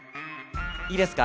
いいですか？